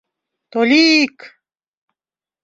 Толик...